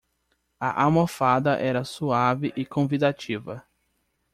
A almofada era suave e convidativa.